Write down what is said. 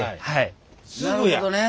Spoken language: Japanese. なるほどね。